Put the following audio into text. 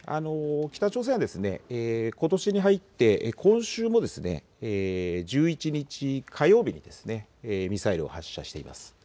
北朝鮮は、ことしに入って今週も１１日火曜日にミサイルを発射しています。